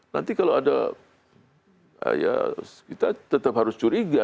nanti kalau ada ya kita tetap harus curiga